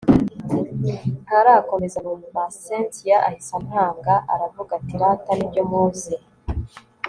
ntarakomeza numva cyntia ahise antanga aravuga ati rata nibyo muze